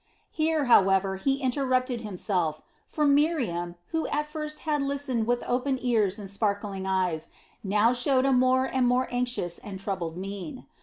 Here, however, he interrupted himself; for Miriam, who at first had listened with open ears and sparkling eyes, now showed a more and more anxious and troubled mien.